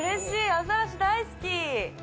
アザラシ大好き。